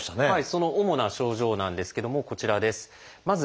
その主な症状なんですけどもこちらです。などがあります。